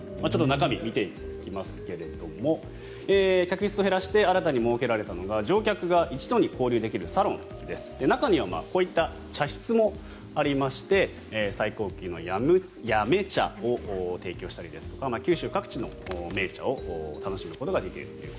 中身を見ていきますけど客室を減らして新たに設けられたのが乗客が一堂に集まれる中にはこういった茶室もありまして最高級の八女茶を提供したりですとか九州各地の銘茶を楽しむことができると。